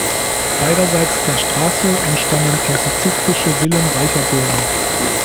Beiderseits der Straße entstanden klassizistische Villen reicher Bürger.